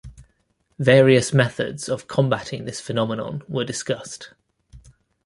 Various methods of combatting this phenomenon were discussed.